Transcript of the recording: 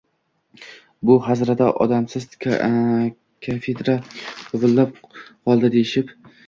bu hazrati odamsiz kafedra huvillab qoldi, deyishib.